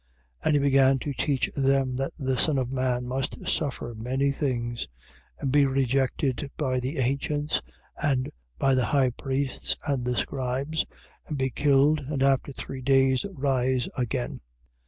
8:31. And he began to teach them that the Son of man must suffer many things and be rejected by the ancients and by the high priests and the scribes: and be killed and after three days rise again.